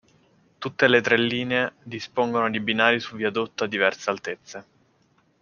Tutte le tre linee dispongono di binari su viadotto a diverse altezze.